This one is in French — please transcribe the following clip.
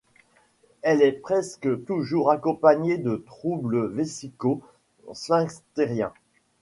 Elle est presque toujours accompagnée de troubles vésico-sphinctériens.